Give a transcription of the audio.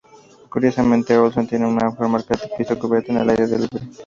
Curiosamente Olsson tiene mejor marca en pista cubierta que al aire libre.